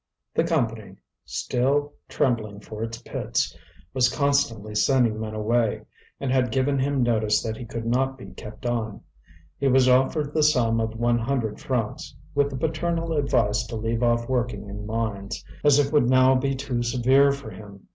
The Company, still trembling for its pits, was constantly sending men away, and had given him notice that he could not be kept on. He was offered the sum of one hundred francs, with the paternal advice to leave off working in mines, as it would now be too severe for him.